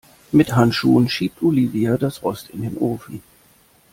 Mit Handschuhen schiebt Olivia das Rost in den Ofen.